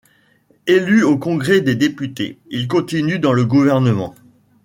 Élu au Congrès des députés, il continue dans le gouvernement.